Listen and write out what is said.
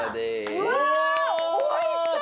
うわおいしそう！